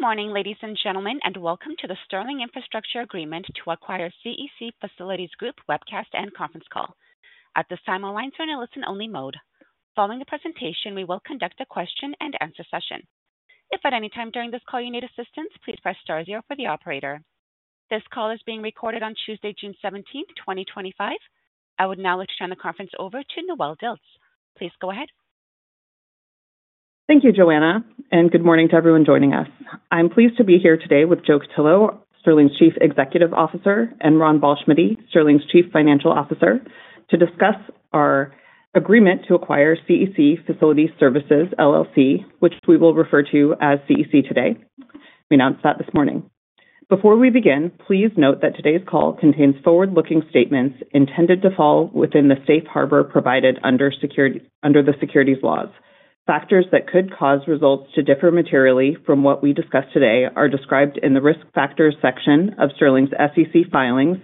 Good morning, ladies and gentlemen, and welcome to the Sterling Infrastructure Agreement to Acquire CEC Facilities Group Webcast and Conference Call. At this time, all lines are in a listen-only mode. Following the presentation, we will conduct a question-and-answer session. If at any time during this call you need assistance, please press star zero for the operator. This call is being recorded on Tuesday, June 17, 2025. I would now like to turn the conference over to Noelle Dilts. Please go ahead. Thank you, Joanna, and good morning to everyone joining us. I'm pleased to be here today with Joe Cutillo, Sterling's Chief Executive Officer, and Ron Ballschmiede, Sterling's Chief Financial Officer, to discuss our agreement to acquire CEC Facilities Services, which we will refer to as CEC today. We announced that this morning. Before we begin, please note that today's call contains forward-looking statements intended to fall within the safe harbor provided under the securities laws. Factors that could cause results to differ materially from what we discuss today are described in the risk factors section of Sterling's SEC filings,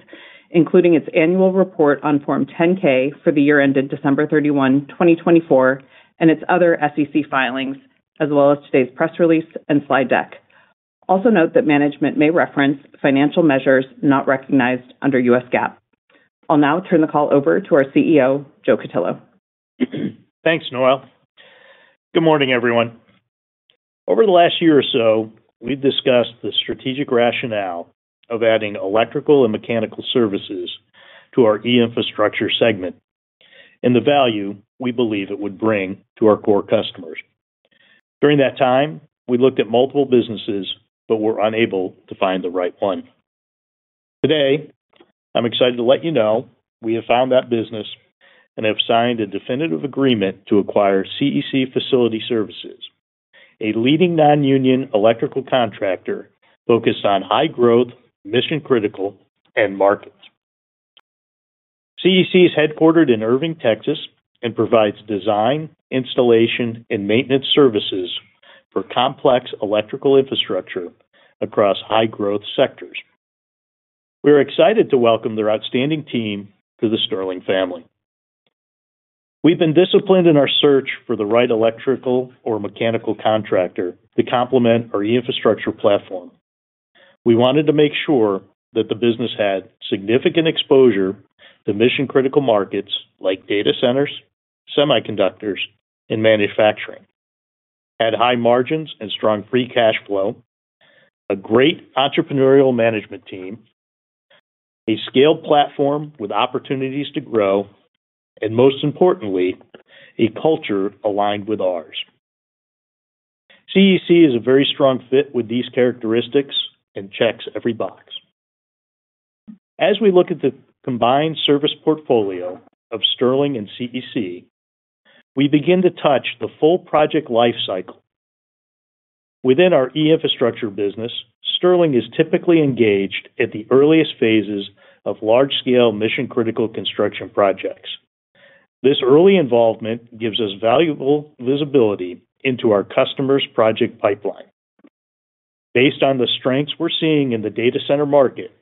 including its annual report on Form 10-K for the year ended December 31, 2024, and its other SEC filings, as well as today's press release and slide deck. Also note that management may reference financial measures not recognized under US GAAP. I'll now turn the call over to our CEO, Joe Cutillo. Thanks, Noelle. Good morning, everyone. Over the last year or so, we've discussed the strategic rationale of adding electrical and mechanical services to our e-infrastructure segment and the value we believe it would bring to our core customers. During that time, we looked at multiple businesses but were unable to find the right one. Today, I'm excited to let you know we have found that business and have signed a definitive agreement to acquire CEC Facilities Services, a leading non-union electrical contractor focused on high-growth, mission-critical markets. CEC is headquartered in Irving, Texas, and provides design, installation, and maintenance services for complex electrical infrastructure across high-growth sectors. We are excited to welcome their outstanding team to the Sterling family. We've been disciplined in our search for the right electrical or mechanical contractor to complement our e-infrastructure platform. We wanted to make sure that the business had significant exposure to mission-critical markets like data centers, semiconductors, and manufacturing, had high margins and strong free cash flow, a great entrepreneurial management team, a scaled platform with opportunities to grow, and most importantly, a culture aligned with ours. CEC is a very strong fit with these characteristics and checks every box. As we look at the combined service portfolio of Sterling and CEC, we begin to touch the full project lifecycle. Within our e-infrastructure business, Sterling is typically engaged at the earliest phases of large-scale mission-critical construction projects. This early involvement gives us valuable visibility into our customers' project pipeline. Based on the strengths we're seeing in the data center market,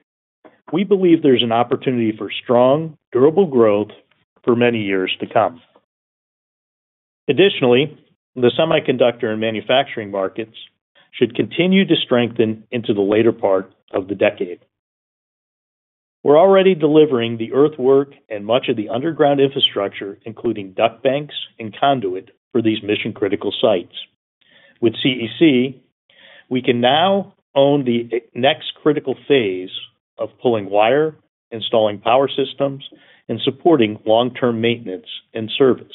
we believe there's an opportunity for strong, durable growth for many years to come. Additionally, the semiconductor and manufacturing markets should continue to strengthen into the later part of the decade. We're already delivering the earthwork and much of the underground infrastructure, including duct banks and conduit, for these mission-critical sites. With CEC, we can now own the next critical phase of pulling wire, installing power systems, and supporting long-term maintenance and service.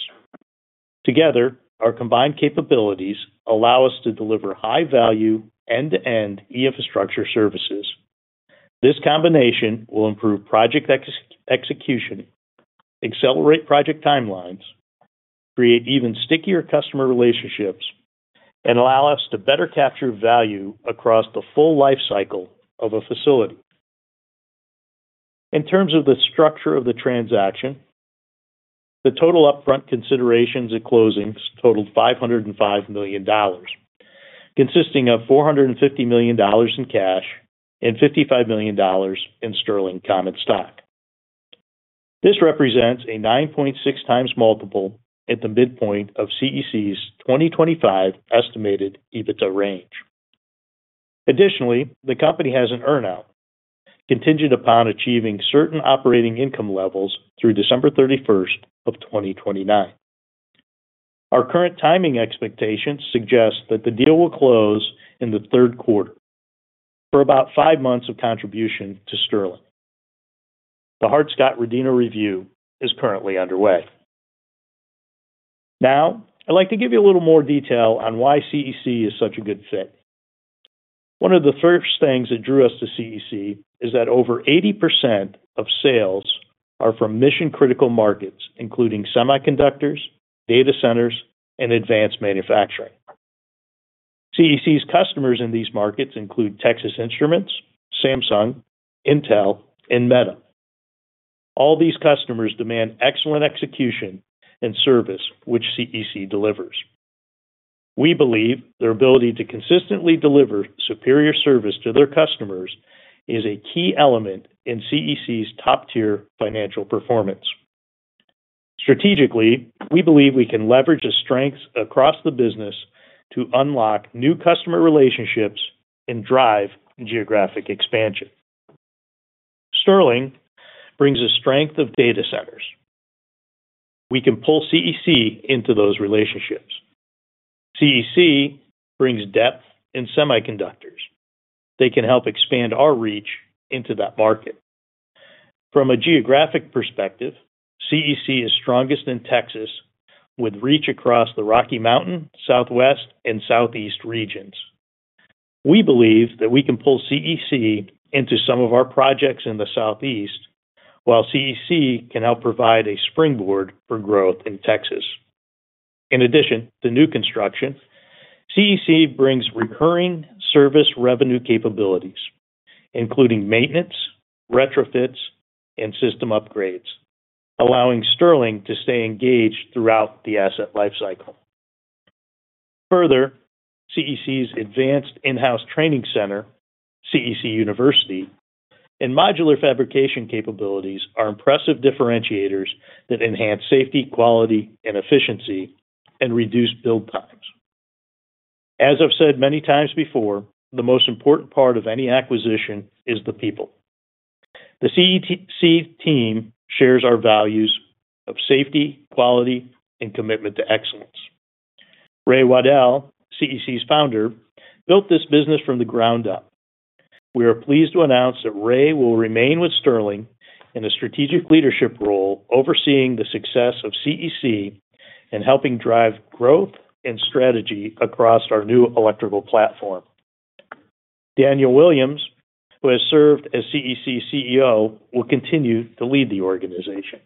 Together, our combined capabilities allow us to deliver high-value end-to-end e-infrastructure services. This combination will improve project execution, accelerate project timelines, create even stickier customer relationships, and allow us to better capture value across the full lifecycle of a facility. In terms of the structure of the transaction, the total upfront consideration at closing totaled $505 million, consisting of $450 million in cash and $55 million in Sterling common stock. This represents a 9.6 times multiple at the midpoint of CEC's 2025 estimated EBITDA range. Additionally, the company has an earn-out contingent upon achieving certain operating income levels through December 31st of 2029. Our current timing expectations suggest that the deal will close in the third quarter for about five months of contribution to Sterling. The Hart-Scott-Rodino review is currently underway. Now, I'd like to give you a little more detail on why CEC is such a good fit. One of the first things that drew us to CEC is that over 80% of sales are from mission-critical markets, including semiconductors, data centers, and advanced manufacturing. CEC's customers in these markets include Texas Instruments, Samsung, Intel, and Meta. All these customers demand excellent execution and service, which CEC delivers. We believe their ability to consistently deliver superior service to their customers is a key element in CEC's top-tier financial performance. Strategically, we believe we can leverage a strength across the business to unlock new customer relationships and drive geographic expansion. Sterling brings a strength of data centers. We can pull CEC into those relationships. CEC brings depth in semiconductors. They can help expand our reach into that market. From a geographic perspective, CEC is strongest in Texas with reach across the Rocky Mountain, southwest, and southeast regions. We believe that we can pull CEC into some of our projects in the southeast while CEC can help provide a springboard for growth in Texas. In addition to new construction, CEC brings recurring service revenue capabilities, including maintenance, retrofits, and system upgrades, allowing Sterling to stay engaged throughout the asset lifecycle. Further, CEC's advanced in-house training center, CEC University, and modular fabrication capabilities are impressive differentiators that enhance safety, quality, and efficiency and reduce build times. As I've said many times before, the most important part of any acquisition is the people. The CEC team shares our values of safety, quality, and commitment to excellence. Ray Waddell, CEC's founder, built this business from the ground up. We are pleased to announce that Ray will remain with Sterling in a strategic leadership role overseeing the success of CEC and helping drive growth and strategy across our new electrical platform. Daniel Williams, who has served as CEC CEO, will continue to lead the organization.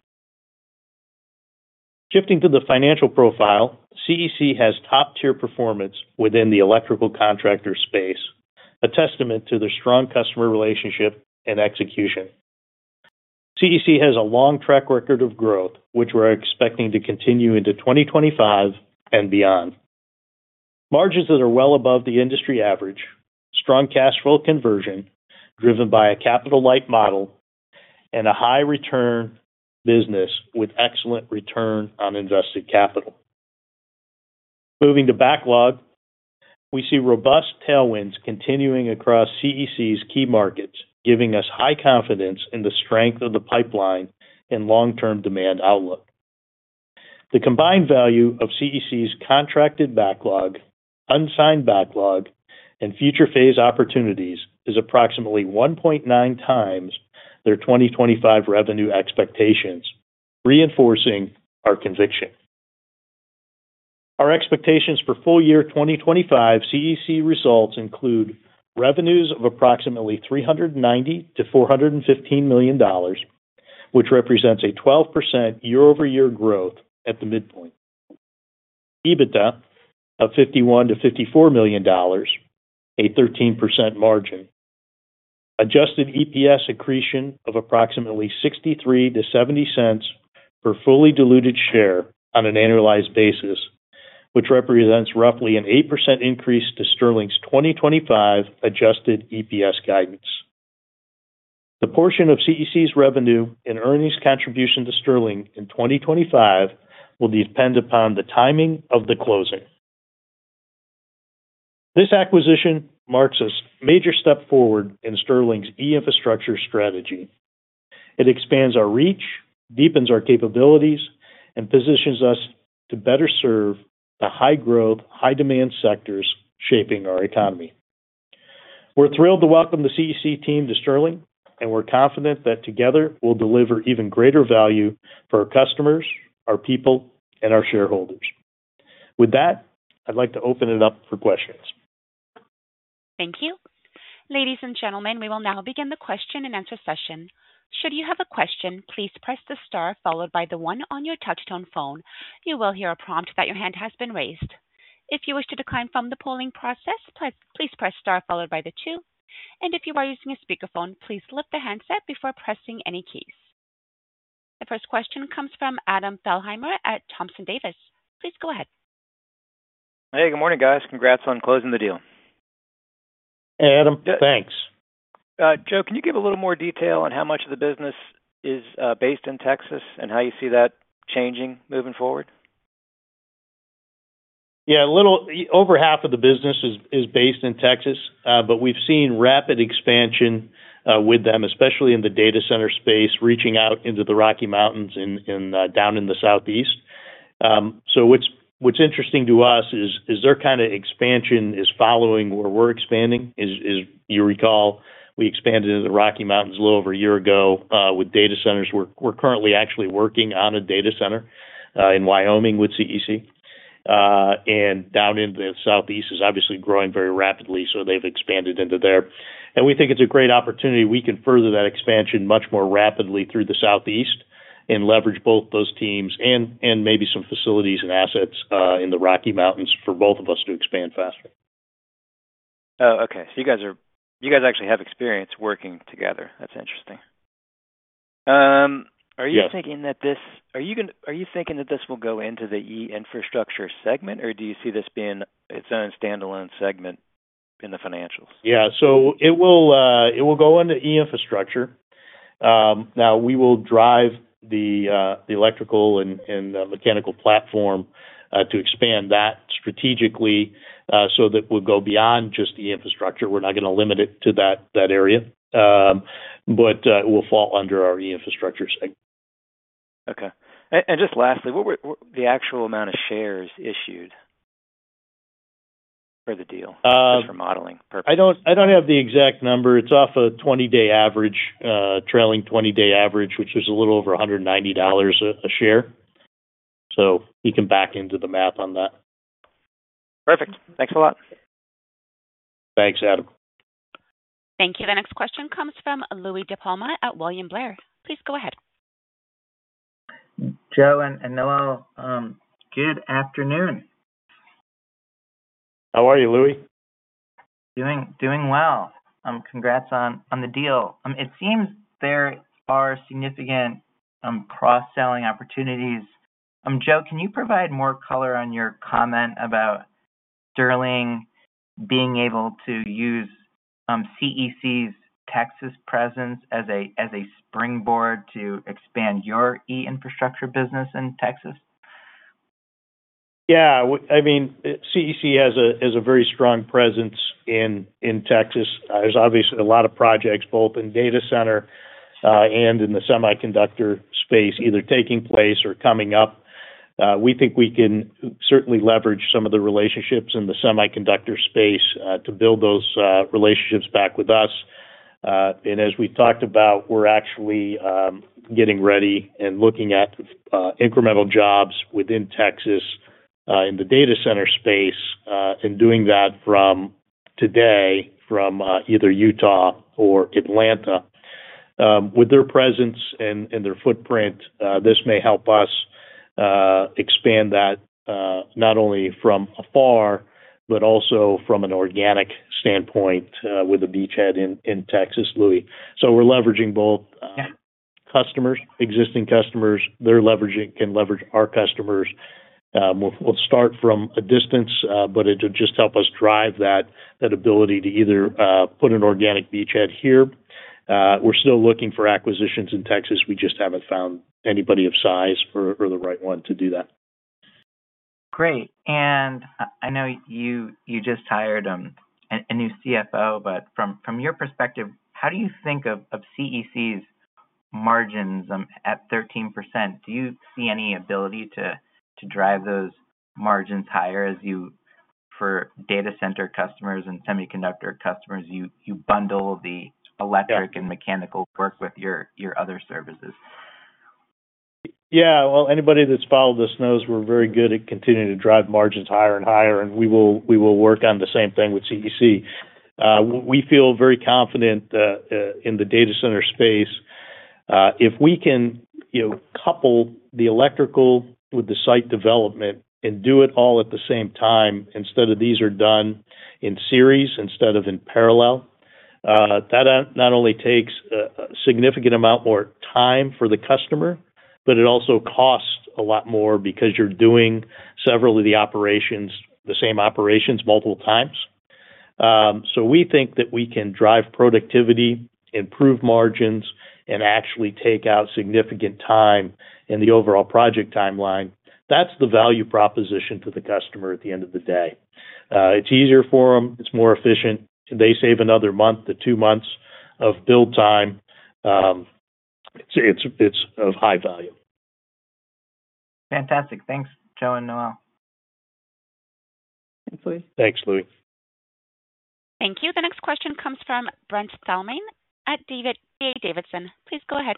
Shifting to the financial profile, CEC has top-tier performance within the electrical contractor space, a testament to their strong customer relationship and execution. CEC has a long track record of growth, which we're expecting to continue into 2025 and beyond. Margins that are well above the industry average, strong cash flow conversion driven by a capital-light model, and a high-return business with excellent return on invested capital. Moving to backlog, we see robust tailwinds continuing across CEC's key markets, giving us high confidence in the strength of the pipeline and long-term demand outlook. The combined value of CEC's contracted backlog, unsigned backlog, and future phase opportunities is approximately 1.9 times their 2025 revenue expectations, reinforcing our conviction. Our expectations for full year 2025 CEC results include revenues of approximately $390-$415 million, which represents a 12% year-over-year growth at the midpoint, EBITDA of $51-$54 million, a 13% margin, adjusted EPS accretion of approximately $0.63-$0.70 per fully diluted share on an annualized basis, which represents roughly an 8% increase to Sterling's 2025 adjusted EPS guidance. The portion of CEC's revenue and earnings contribution to Sterling in 2025 will depend upon the timing of the closing. This acquisition marks a major step forward in Sterling's e-infrastructure strategy. It expands our reach, deepens our capabilities, and positions us to better serve the high-growth, high-demand sectors shaping our economy. We're thrilled to welcome the CEC team to Sterling, and we're confident that together we'll deliver even greater value for our customers, our people, and our shareholders. With that, I'd like to open it up for questions. Thank you. Ladies and gentlemen, we will now begin the question-and-answer session. Should you have a question, please press the star followed by the one on your touch-tone phone. You will hear a prompt that your hand has been raised. If you wish to decline from the polling process, please press star followed by the two. If you are using a speakerphone, please lift the handset before pressing any keys. The first question comes from Adam Thalhimer at Thompson Davis. Please go ahead. Hey, good morning, guys. Congrats on closing the deal. Hey, Adam. Thanks. Joe, can you give a little more detail on how much of the business is based in Texas and how you see that changing moving forward? Yeah, a little over half of the business is based in Texas, but we've seen rapid expansion with them, especially in the data center space, reaching out into the Rocky Mountains and down in the southeast. What's interesting to us is their kind of expansion is following where we're expanding. As you recall, we expanded into the Rocky Mountains a little over a year ago with data centers. We're currently actually working on a data center in Wyoming with CEC. Down in the southeast is obviously growing very rapidly, so they've expanded into there. We think it's a great opportunity. We can further that expansion much more rapidly through the southeast and leverage both those teams and maybe some facilities and assets in the Rocky Mountains for both of us to expand faster. Oh, okay. So you guys actually have experience working together. That's interesting. Are you thinking that this will go into the e-infrastructure segment or do you see this being its own standalone segment in the financials? Yeah. It will go into e-infrastructure. Now, we will drive the electrical and mechanical platform to expand that strategically so that we will go beyond just e-infrastructure. We are not going to limit it to that area, but it will fall under our e-infrastructure segment. Okay. And just lastly, what were the actual amount of shares issued for the deal just for modeling purposes? I don't have the exact number. It's off a 20-day average, trailing 20-day average, which is a little over $190 a share. So you can back into the math on that. Perfect. Thanks a lot. Thanks, Adam. Thank you. The next question comes from Louie DiPalma at William Blair. Please go ahead. Joe and Noelle, good afternoon. How are you, Louie? Doing well. Congrats on the deal. It seems there are significant cross-selling opportunities. Joe, can you provide more color on your comment about Sterling being able to use CEC's Texas presence as a springboard to expand your e-infrastructure business in Texas? Yeah. I mean, CEC has a very strong presence in Texas. There's obviously a lot of projects, both in data center and in the semiconductor space, either taking place or coming up. We think we can certainly leverage some of the relationships in the semiconductor space to build those relationships back with us. As we talked about, we're actually getting ready and looking at incremental jobs within Texas in the data center space and doing that from today from either Utah or Atlanta. With their presence and their footprint, this may help us expand that not only from afar, but also from an organic standpoint with a beachhead in Texas, Louie. We're leveraging both customers, existing customers. They can leverage our customers. We'll start from a distance, but it'll just help us drive that ability to either put an organic beachhead here. We're still looking for acquisitions in Texas. We just haven't found anybody of size or the right one to do that. Great. I know you just hired a new CFO, but from your perspective, how do you think of CEC's margins at 13%? Do you see any ability to drive those margins higher for data center customers and semiconductor customers? You bundle the electric and mechanical work with your other services. Yeah. Anybody that's followed us knows we're very good at continuing to drive margins higher and higher, and we will work on the same thing with CEC. We feel very confident in the data center space. If we can couple the electrical with the site development and do it all at the same time instead of these are done in series instead of in parallel, that not only takes a significant amount more time for the customer, but it also costs a lot more because you're doing several of the operations, the same operations, multiple times. We think that we can drive productivity, improve margins, and actually take out significant time in the overall project timeline. That's the value proposition to the customer at the end of the day. It's easier for them. It's more efficient. They save another month to two months of build time. It's of high value. Fantastic. Thanks, Joe and Noelle. Thanks, Louie. Thanks, Louie. Thank you. The next question comes from Brent Thielman at D.A. Davidson. Please go ahead.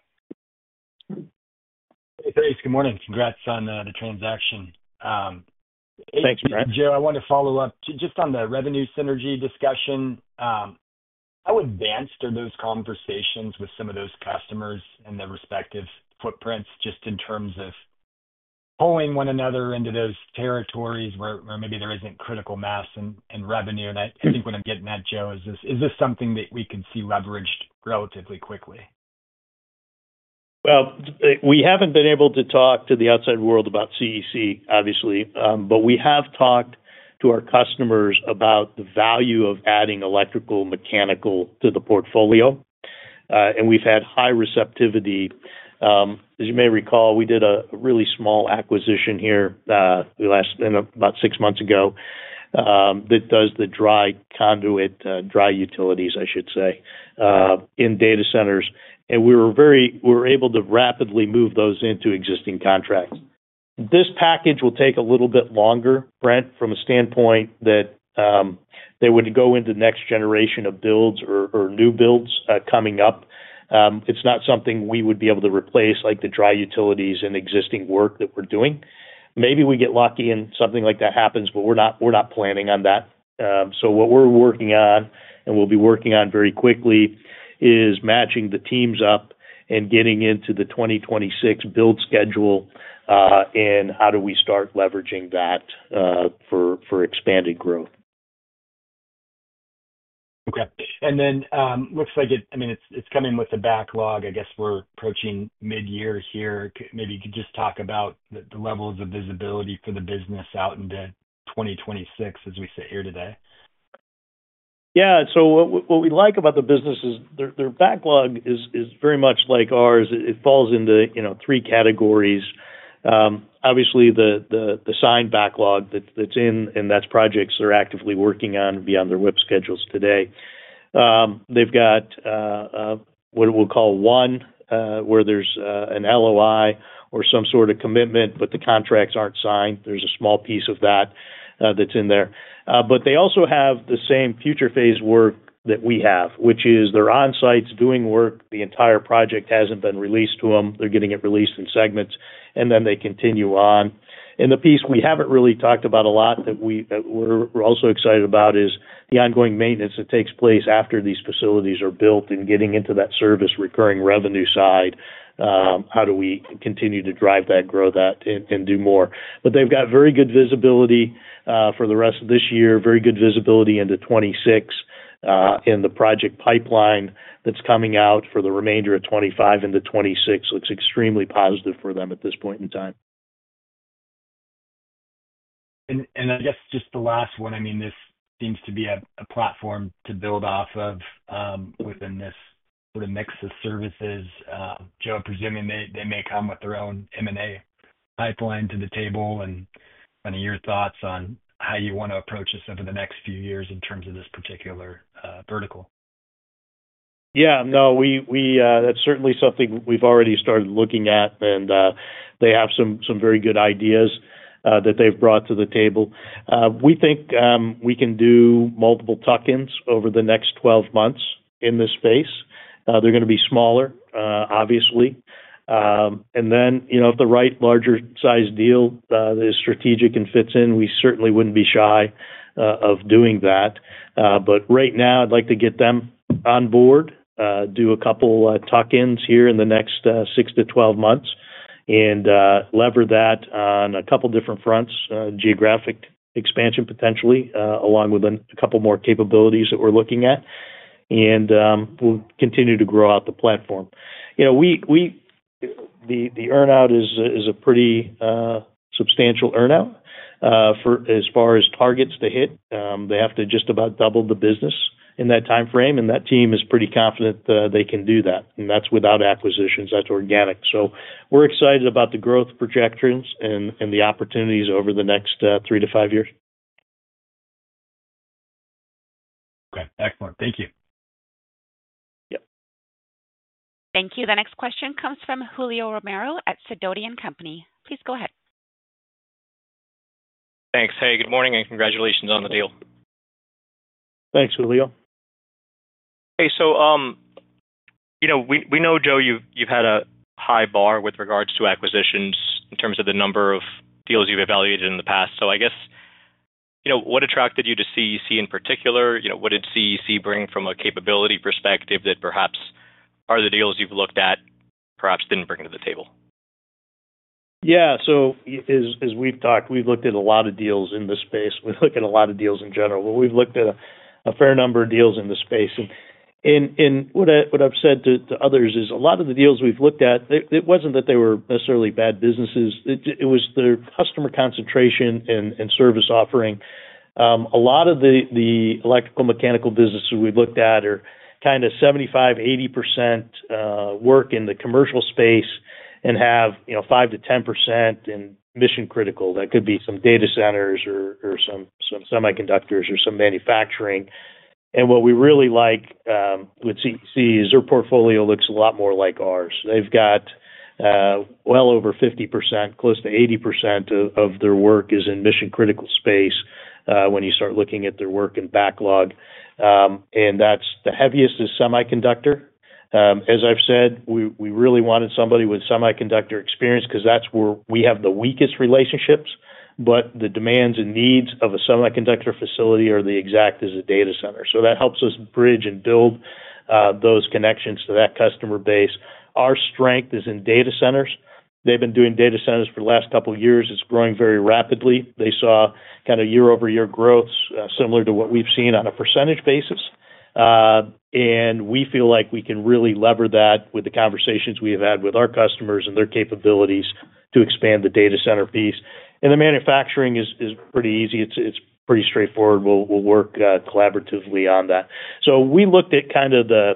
Hey, thanks. Good morning. Congrats on the transaction. Thanks, Brent. Joe, I want to follow up just on the revenue synergy discussion. How advanced are those conversations with some of those customers and their respective footprints just in terms of pulling one another into those territories where maybe there is not critical mass and revenue? I think what I am getting at, Joe, is this something that we can see leveraged relatively quickly? We have not been able to talk to the outside world about CEC, obviously, but we have talked to our customers about the value of adding electrical mechanical to the portfolio. We have had high receptivity. As you may recall, we did a really small acquisition here about six months ago that does the dry conduit, dry utilities, I should say, in data centers. We were able to rapidly move those into existing contracts. This package will take a little bit longer, Brent, from a standpoint that they would go into next generation of builds or new builds coming up. It is not something we would be able to replace like the dry utilities and existing work that we are doing. Maybe we get lucky and something like that happens, but we are not planning on that. What we're working on, and we'll be working on very quickly, is matching the teams up and getting into the 2026 build schedule and how do we start leveraging that for expanded growth. Okay. And then it looks like it, I mean, it's coming with the backlog. I guess we're approaching mid-year here. Maybe you could just talk about the levels of visibility for the business out into 2026 as we sit here today. Yeah. What we like about the business is their backlog is very much like ours. It falls into three categories. Obviously, the signed backlog that's in, and that's projects they're actively working on beyond their WIP schedules today. They've got what we'll call one, where there's an LOI or some sort of commitment, but the contracts aren't signed. There's a small piece of that that's in there. They also have the same future phase work that we have, which is they're on sites, doing work. The entire project hasn't been released to them. They're getting it released in segments, and then they continue on. The piece we haven't really talked about a lot that we're also excited about is the ongoing maintenance that takes place after these facilities are built and getting into that service recurring revenue side. How do we continue to drive that, grow that, and do more? They have very good visibility for the rest of this year, very good visibility into 2026, and the project pipeline that is coming out for the remainder of 2025 into 2026 looks extremely positive for them at this point in time. I guess just the last one, I mean, this seems to be a platform to build off of within this sort of mix of services. Joe, presuming they may come with their own M&A pipeline to the table. Kind of your thoughts on how you want to approach this over the next few years in terms of this particular vertical? Yeah. No, that's certainly something we've already started looking at, and they have some very good ideas that they've brought to the table. We think we can do multiple tuck-ins over the next 12 months in this space. They're going to be smaller, obviously. If the right larger-sized deal is strategic and fits in, we certainly wouldn't be shy of doing that. Right now, I'd like to get them on board, do a couple of tuck-ins here in the next 6-12 months, and lever that on a couple of different fronts, geographic expansion potentially, along with a couple more capabilities that we're looking at. We'll continue to grow out the platform. The earnout is a pretty substantial earnout as far as targets to hit. They have to just about double the business in that timeframe, and that team is pretty confident they can do that. That is without acquisitions. That is organic. We are excited about the growth projections and the opportunities over the next three to five years. Okay. Excellent. Thank you. Thank you. The next question comes from Julio Romero at Sidoti & Company. Please go ahead. Thanks. Hey, good morning and congratulations on the deal. Thanks, Julio. Hey, so we know, Joe, you've had a high bar with regards to acquisitions in terms of the number of deals you've evaluated in the past. I guess what attracted you to CEC in particular? What did CEC bring from a capability perspective that perhaps other deals you've looked at perhaps didn't bring to the table? Yeah. As we've talked, we've looked at a lot of deals in this space. We've looked at a lot of deals in general, but we've looked at a fair number of deals in the space. What I've said to others is a lot of the deals we've looked at, it wasn't that they were necessarily bad businesses. It was their customer concentration and service offering. A lot of the electrical mechanical businesses we've looked at are kind of 75%, 80% work in the commercial space and have 5%-10% in mission-critical. That could be some data centers or some semiconductors or some manufacturing. What we really like with CEC is their portfolio looks a lot more like ours. They've got well over 50%, close to 80% of their work is in mission-critical space when you start looking at their work and backlog. The heaviest is semiconductor. As I've said, we really wanted somebody with semiconductor experience because that's where we have the weakest relationships, but the demands and needs of a semiconductor facility are the exact as a data center. That helps us bridge and build those connections to that customer base. Our strength is in data centers. They've been doing data centers for the last couple of years. It's growing very rapidly. They saw kind of year-over-year growth similar to what we've seen on a percentage basis. We feel like we can really lever that with the conversations we have had with our customers and their capabilities to expand the data center piece. The manufacturing is pretty easy. It's pretty straightforward. We'll work collaboratively on that. We looked at kind of the,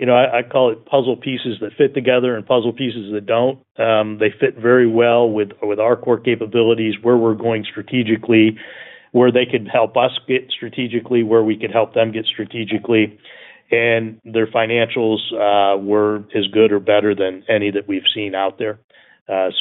I call it puzzle pieces that fit together and puzzle pieces that don't. They fit very well with our core capabilities, where we're going strategically, where they could help us get strategically, where we could help them get strategically. Their financials were as good or better than any that we've seen out there.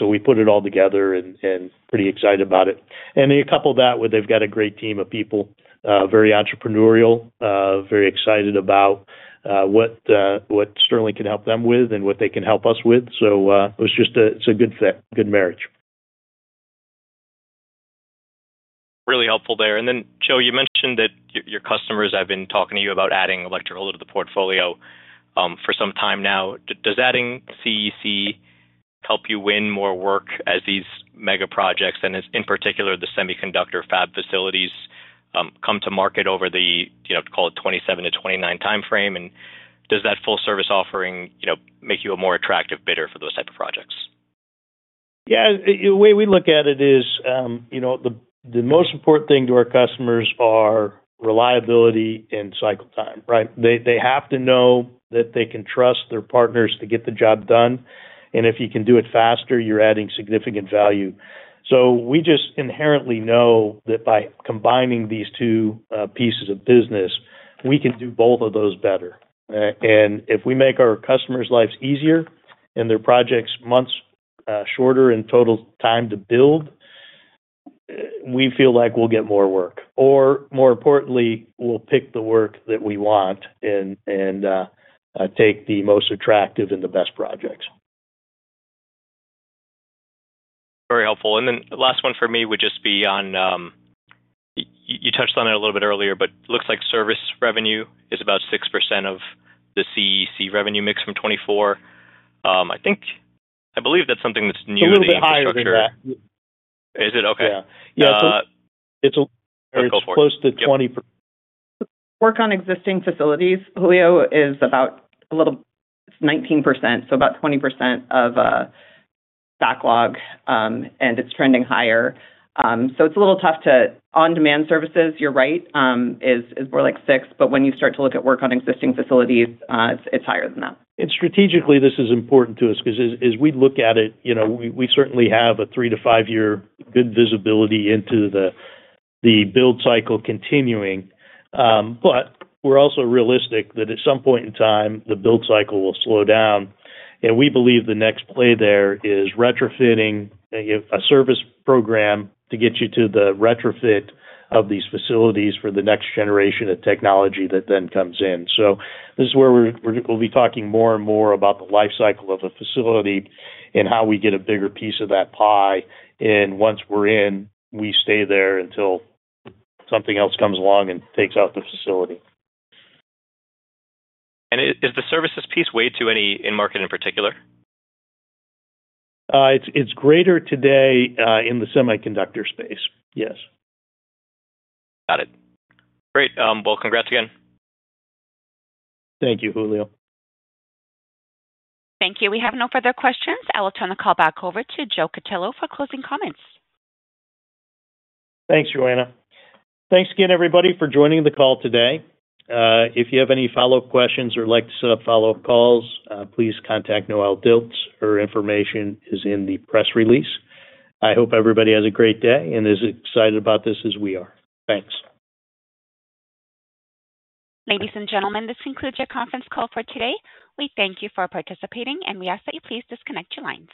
We put it all together and are pretty excited about it. They couple that with they've got a great team of people, very entrepreneurial, very excited about what Sterling can help them with and what they can help us with. It is a good marriage. Really helpful there. Joe, you mentioned that your customers have been talking to you about adding electrical to the portfolio for some time now. Does adding CEC help you win more work as these mega projects and, in particular, the semiconductor fab facilities come to market over the, call it, 2027-2029 timeframe? Does that full-service offering make you a more attractive bidder for those type of projects? Yeah. The way we look at it is the most important thing to our customers are reliability and cycle time, right? They have to know that they can trust their partners to get the job done. If you can do it faster, you're adding significant value. We just inherently know that by combining these two pieces of business, we can do both of those better. If we make our customers' lives easier and their projects' months shorter in total time to build, we feel like we'll get more work. Or more importantly, we'll pick the work that we want and take the most attractive and the best projects. Very helpful. The last one for me would just be on you touched on it a little bit earlier, but it looks like service revenue is about 6% of the CEC revenue mix from 2024. I believe that is something that is new in the infrastructure. A little bit higher than that. Is it okay? Yeah. It's close to 20%. Work on existing facilities, Julio, is about a little, it's 19%, so about 20% of backlog, and it's trending higher. It's a little tough to, on-demand services, you're right, is more like 6%, but when you start to look at work on existing facilities, it's higher than that. Strategically, this is important to us because as we look at it, we certainly have a three to five-year good visibility into the build cycle continuing. We are also realistic that at some point in time, the build cycle will slow down. We believe the next play there is retrofitting a service program to get you to the retrofit of these facilities for the next generation of technology that then comes in. This is where we will be talking more and more about the lifecycle of a facility and how we get a bigger piece of that pie. Once we are in, we stay there until something else comes along and takes out the facility. Is the services piece weighted to any market in particular? It's greater today in the semiconductor space. Yes. Got it. Great. Congrats again. Thank you, Julio. Thank you. We have no further questions. I will turn the call back over to Joe Cutillo for closing comments. Thanks, Joanna. Thanks again, everybody, for joining the call today. If you have any follow-up questions or would like to set up follow-up calls, please contact Noelle Dilts. Her information is in the press release. I hope everybody has a great day and is as excited about this as we are. Thanks. Ladies and gentlemen, this concludes your conference call for today. We thank you for participating, and we ask that you please disconnect your lines.